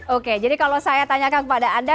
oke jadi kalau saya tanyakan kepada anda